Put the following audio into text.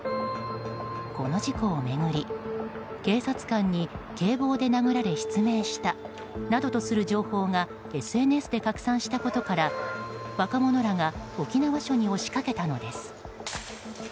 この事故を巡り警察官に警棒で殴られ失明したなどとする情報がＳＮＳで拡散したことから若者らが沖縄署に押し掛けたのです。